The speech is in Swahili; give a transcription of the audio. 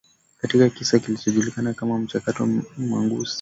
katika kisa kilichojulikana kama mchakato Mongoose